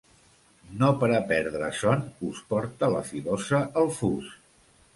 No per a perdre son ús porta la filosa el fus.